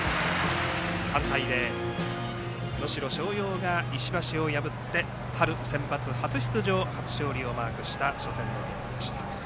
３対０と能代松陽が石橋を破って春センバツ初出場初勝利をマークした初戦のゲームでした。